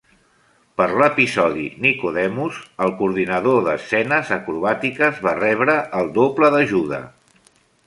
Per l"episodi "Nicodemus", el coordinador d"escenes acrobàtiques va rebre el doble d"ajuda.